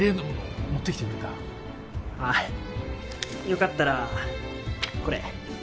よかったらこれ。